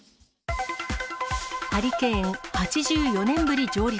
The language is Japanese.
ハリケーン、８４年ぶり上陸。